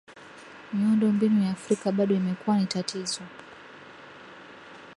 miondo mbinu ya afrika bado imekuwa ni tatizo